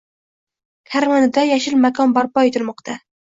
Karmanada “yashil makon” barpo etilmoqdang